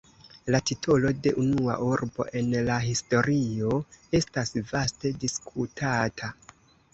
La titolo de "unua urbo en la historio" estas vaste diskutata.